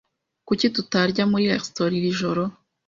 Kuki tutarya muri resitora iri joro?